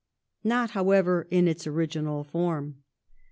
Not, however, in its original form.